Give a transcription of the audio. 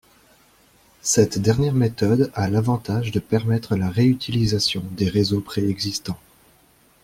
Cette dernière méthode a l'avantage de permettre la réutilisation des réseaux pré-existants.